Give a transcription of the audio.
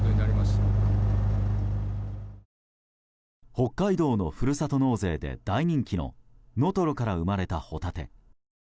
北海道のふるさと納税で大人気の能取から生まれたホタテ。